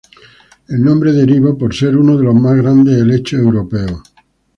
El nombre deriva por ser uno de los más grandes helechos europeos.